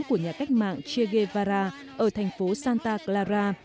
của nhà cách mạng che guevara ở thành phố santa clara